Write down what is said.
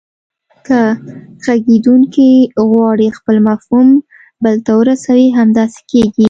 که غږیدونکی غواړي خپل مفهوم بل ته ورسوي همداسې کیږي